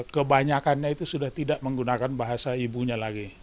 kebanyakannya itu sudah tidak menggunakan bahasa ibunya lagi